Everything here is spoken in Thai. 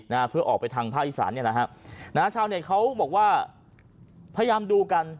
นะฮะเพื่อออกไปทางภาคอีสานเนี้ยนะฮะนะฮะชาวเน็ตเขาบอกว่าพยายามดูกัน